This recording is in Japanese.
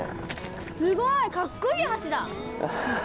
すごい！カッコいい橋だ。